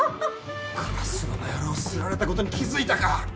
烏丸の野郎すられたことに気付いたか！